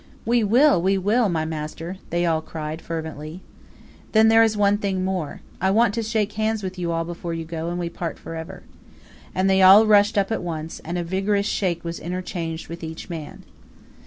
"We will, we will, my master!" they all cried, fervently. "Then there is one thing more. I want to shake hands with you all before you go and we part for ever;" and they all rushed up at once, and a vigorous shake was interchanged with each man.